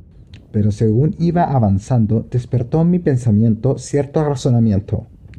Pero según iba avanzando, despertó en mi pensamiento cierto razonamiento.